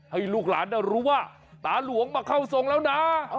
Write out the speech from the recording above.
ให้ลูกหลานรู้ว่าตาหลวงมาเข้าทรงแล้วนะ